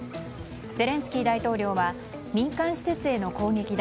ゼレンスキー大統領は民間施設への攻撃だ。